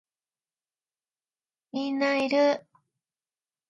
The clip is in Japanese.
みんないる